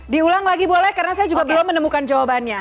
diulang lagi boleh karena saya juga belum menemukan jawabannya